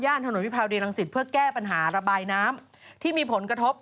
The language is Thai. ย่านถนนวิพาโดยลังศิษย์เพื่อแก้ปัญหาระบายน้ำที่มีผลกระทบ